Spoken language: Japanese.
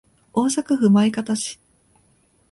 大阪府枚方市